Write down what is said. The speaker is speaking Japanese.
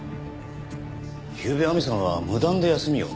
ゆうべ亜美さんは無断で休みを？